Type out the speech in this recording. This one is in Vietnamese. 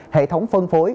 hệ thống phân phối